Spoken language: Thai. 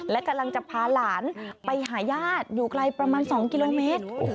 และกำลังจะพาหลานไปหาญาติอยู่ไกลประมาณ๒กิโลเมตร